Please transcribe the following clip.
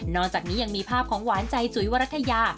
จากนี้ยังมีภาพของหวานใจจุ๋ยวรัฐยา